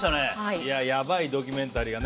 いやヤバいドキュメンタリーがね